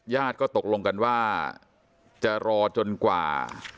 ญาติก็ตกลงกันว่าจะรอจนกว่า